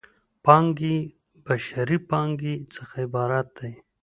پانګې بشري پانګې څخه عبارت دی.